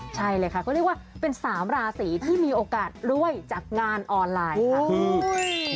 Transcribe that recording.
ใช่เลยค่ะก็เรียกว่าเป็น๓ราศีที่มีโอกาสรวยจากงานออนไลน์ค่ะ